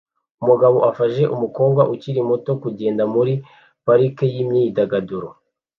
Umugabo afasha umukobwa ukiri muto kugenda muri parike yimyidagaduro